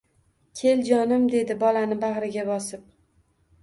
Kel, jonim,— dedi bolani bag‘riga bosib.